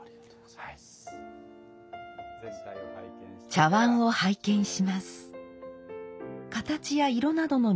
茶碗を拝見します。